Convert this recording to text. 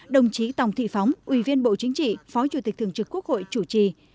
đồng chí tòng thị phóng ủy viên bộ chính trị phó chủ tịch thường trực quốc hội chủ trì